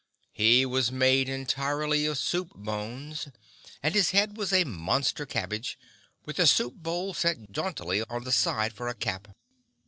He was made entirely of soup bones, and his head was a monster cabbage, with a soup bowl set jauntily on the side for a cap.